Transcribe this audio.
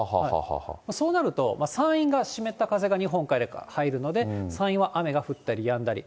そうなると山陰が湿った風が日本海に入るので、山陰は雨が降ったりやんだり。